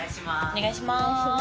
・お願いします